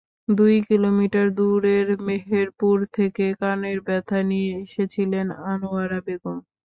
দুই কিলোমিটার দূরের মেহেরপুর থেকে কানের ব্যথা নিয়ে এসেছিলেন আনোয়ারা বেগম।